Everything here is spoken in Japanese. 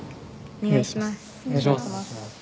お願いします。